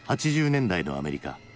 ８０年代のアメリカ。